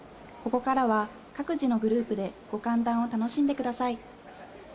ここからは各自のグループでご歓談を楽しんでください。